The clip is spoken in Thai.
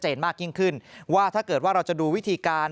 มากยิ่งขึ้นว่าถ้าเกิดว่าเราจะดูวิธีการ